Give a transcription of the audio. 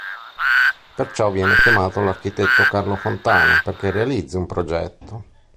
Perciò viene chiamato l'architetto Carlo Fontana, perché realizzi un progetto.